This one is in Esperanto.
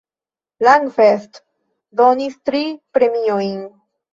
Langfest donis tri premiojn.